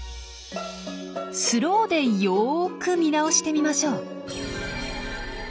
スローでよく見直してみましょう。